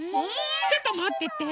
ちょっともってて。